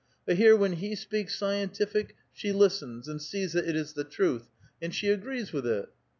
But here when he speaks scientific, she listens and sees that it is the truth, and she agrees with it.